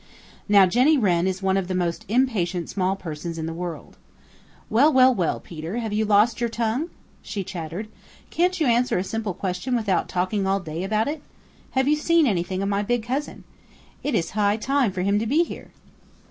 Now Jenny Wren is one of the most impatient small persons in the world. "Well, well, well, Peter, have you lost your tongue?" she chattered. "Can't you answer a simple question without talking all day about it? Have you seen anything of my big cousin? It is high time for him to be here."